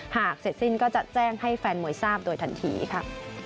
หากเสร็จสิ้นก็จะแจ้งให้แฟนมวยทราบโดยทันทีค่ะ